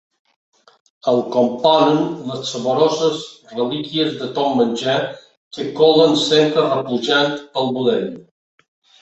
El componen les saboroses relíquies de tot menjar que colen sempre replujant pel budell.